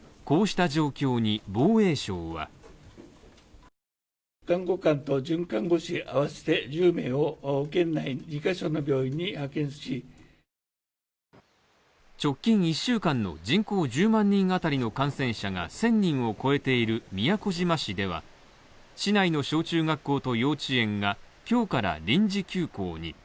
こうした状況に、防衛省は直近１週間の人口１０万人あたりの感染者が１０００人を超えている宮古島市では市内の小中学校と幼稚園が今日から臨時休校に。